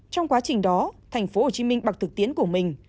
trong quá trình đó thành phố hồ chí minh bằng thực tiễn của mình